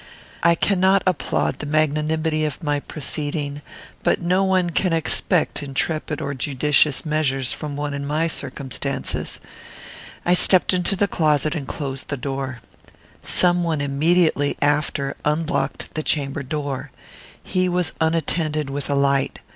I cannot applaud the magnanimity of my proceeding; but no one can expect intrepid or judicious measures from one in my circumstances. I stepped into the closet, and closed the door. Some one immediately after unlocked the chamber door. He was unattended with a light.